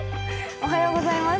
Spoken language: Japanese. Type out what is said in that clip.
おはようございます。